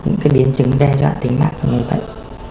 những biến chứng đe dọa tính mạng của người bệnh